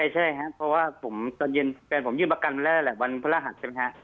ใช่ครับเพราะว่าผมตอนเย็นแฟนผมยื่นประกันแล้วแหละวันพระรหัสใช่ไหมฮะ